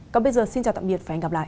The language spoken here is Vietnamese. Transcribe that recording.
còn bây giờ xin chào tạm biệt và hẹn gặp lại